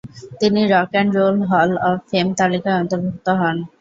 তিনি rock and roll hall of fame তালিকায় অন্তর্ভুক্ত হন।